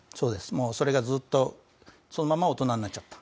もうそれがずっとそのまま大人になっちゃった。